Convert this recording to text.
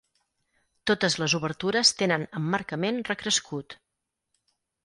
Totes les obertures tenen emmarcament recrescut.